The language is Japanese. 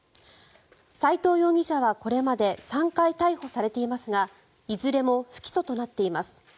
斎藤容疑者はこれまで３回逮捕されていますがいずれも不起訴となっています。